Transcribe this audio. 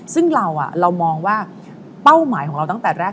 ซึ่งเรามองว่าเป้าหมายของเราตั้งแต่แรก